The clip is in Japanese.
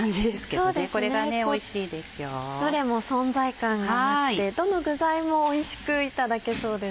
どれも存在感があってどの具材もおいしくいただけそうです。